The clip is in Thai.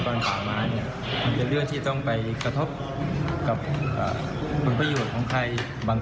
เพราะฉะนั้นของผมนะครับ